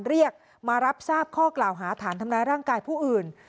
เรียกมารับทราบข้อกล่าวหาฐานทำร้ายร่างกายผู้อื่น